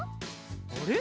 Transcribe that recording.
あれ？